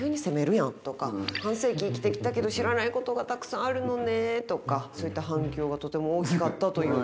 半世紀生きてきたけど知らないことがたくさんあるのねとかそういった反響がとても大きかったという。